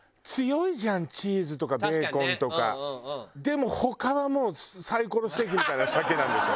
でも他はもうサイコロステーキみたいなシャケなんでしょ？